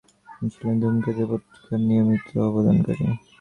তিনি ছিলেন ধূমকেতু পত্রিকার নিয়মিত অবদানকারী।